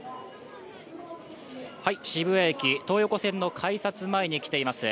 渋谷駅、東横線の改札前に来ています。